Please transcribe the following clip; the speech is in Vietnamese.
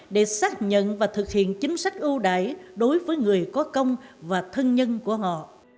để xác nhận và thực hiện chính sách ưu đại đối với người có công và thân nhân của họ